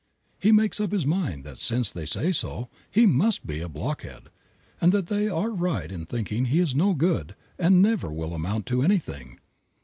He makes up his mind that, since they say so, he must be a blockhead, and that they are right in thinking he is no good and will never amount to anything.